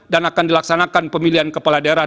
dan akan dilaksanakan pemilihan kepala daerah